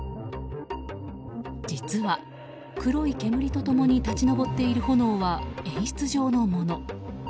実は黒い煙と共に立ち上っている炎は演出上のもの。